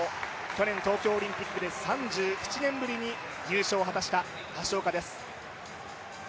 去年東京オリンピックで３１年ぶりに入賞を果たした橋岡です。